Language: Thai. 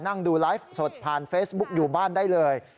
นั่งดูไลฟ์สดผ่านเฟซบุ๊กอยู่บ้านได้เลย